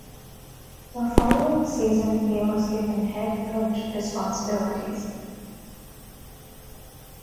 The following season he was given head coach responsibilities.